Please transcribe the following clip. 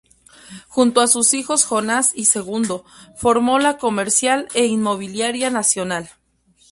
Junto a sus hijos Jonás y Segundo, formó la Comercial e Inmobiliaria Nacional.